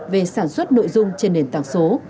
về sản xuất nội dung trên nền tảng số